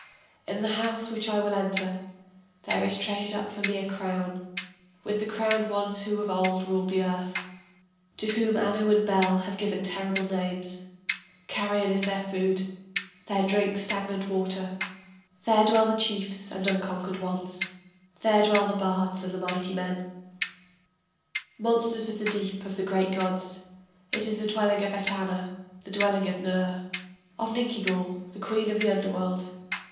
In the house which I will enter There is treasured up for me a crown, With the crowned ones who of old ruled the earth, To whom Anu and Bel have given terrible names, Carrion is their food, their drink stagnant water. There dwell the chiefs and unconquered ones, There dwell the bards and the mighty men, Monsters of the deep of the great gods. It is the dwelling of Etana, the dwelling of Ner, Of Ninkigal, the queen of the underworld....